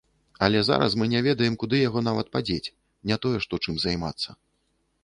Але зараз мы не ведаем, куды яго нават падзець, не тое што чым займацца.